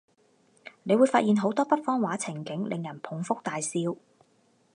你會發現好多北方話情景，令人捧腹大笑